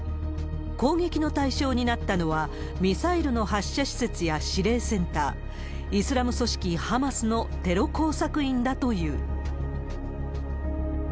攻撃の対象になったのは、ミサイルの発射施設や指令センター、イスラム組織ハマスのテロ工作員だという。